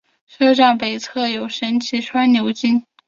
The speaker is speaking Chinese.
车站北侧有神崎川流经。